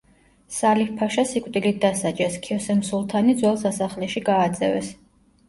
სალიჰ ფაშა სიკვდილით დასაჯეს, ქიოსემ სულთანი ძველ სასახლეში გააძევეს.